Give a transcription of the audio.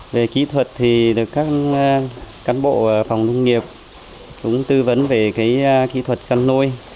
về kỹ thuật thì được các cán bộ phòng nông nghiệp cũng tư vấn về kỹ thuật chăn nuôi